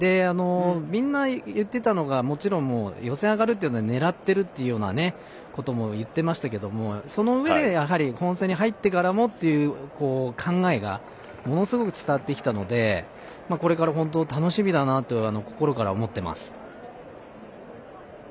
みんな、言っていたのがもちろん予選を上がるのを狙ってるっていうようなことも言ってましたけどそのうえで、本戦に入ってからもという考えがものすごく伝わってきたのでこれから本当、楽しみだなと心から思ってます。